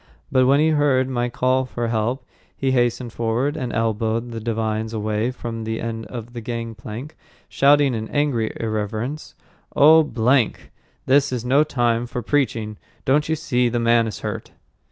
But when he heard my call for help, he hastened forward, and elbowed the divines away from the end of the gangplank, shouting in angry irreverence, "Oh, blank! This is no time for preaching! Don't you see the man is hurt?"